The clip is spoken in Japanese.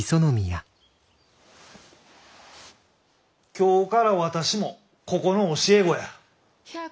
今日から私もここの教え子や。